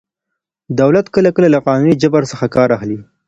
دولت کله کله له قانوني جبر څخه کار اخلي.